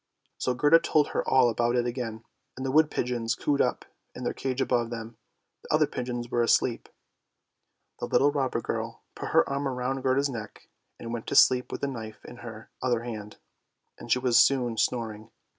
So Gerda told her all about it again, and the wood pigeons cooed up in their cage above them, the other pigeons were asleep. The little robber girl put her arm round Gerda's neck and went to sleep with the knife in her other hand, and she was soon snoring.